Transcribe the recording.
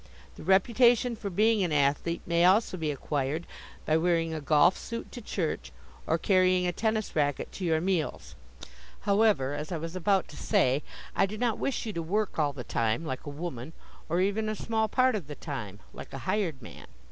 The reputation for being an athlete may also be acquired by wearing a golf suit to church, or carrying a tennis racket to your meals. However, as I was about to say, I do not wish you to work all the time, like a woman, or even a small part of the time, like a hired man.